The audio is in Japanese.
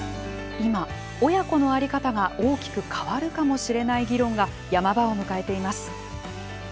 今、親子のあり方が大きく変わるかもしれない議論が山場を迎えています。